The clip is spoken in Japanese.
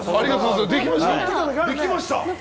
できました。